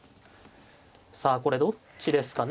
さあこれどっちですかね。